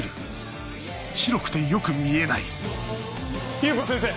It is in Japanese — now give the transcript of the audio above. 裕子先生！